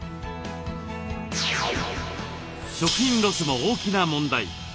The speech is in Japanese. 食品ロスも大きな問題。